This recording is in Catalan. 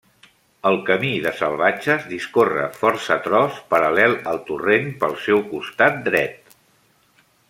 El Camí de Salvatges discorre força tros paral·lel al torrent, pel seu costat dret.